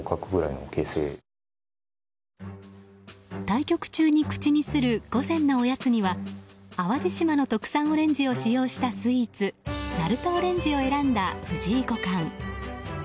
対局中に口にする午前のおやつには淡路島の特産オレンジを使用したスイーツなるとオレンジを選んだ藤井五冠。